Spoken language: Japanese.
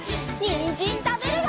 にんじんたべるよ！